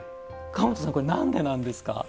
川本さんこれ何でなんですか？